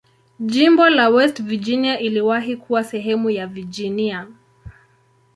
Jimbo la West Virginia iliwahi kuwa sehemu ya Virginia.